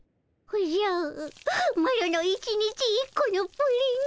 おじゃマロの一日１コのプリン。